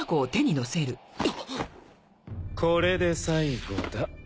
これで最後だ。